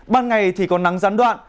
ban ngày thì có nắng gián đoạn